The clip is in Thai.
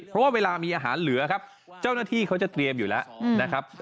เพราะว่าเวลามีอาหารเหลือเจ้านัทธิเขาจะเตรียมอยู่แล้ว